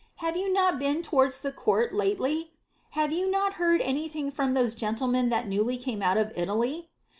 Have you not been towards the court lately? Have you not heard any thing from those gentlemen that newly came out of Italy?